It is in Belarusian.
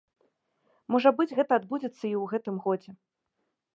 Можа быць, гэта адбудзецца і ў гэтым годзе.